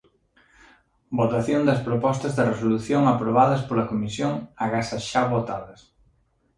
Votación das propostas de resolución aprobadas pola Comisión agás as xa votadas.